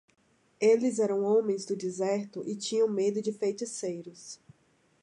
Eles eram homens do deserto e tinham medo de feiticeiros.